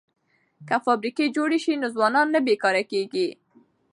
که فابریکې جوړې شي نو ځوانان نه بې کاره کیږي.